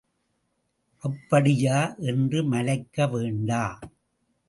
அப்படியா என்று மலைக்க வேண்டா.